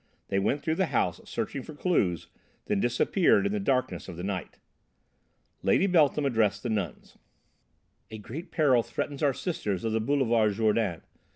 They went through the house, searching for clues, then disappeared in the darkness of the night. Lady Beltham addressed the nuns: "A great peril threatens our sisters of the Boulevard Jourdan.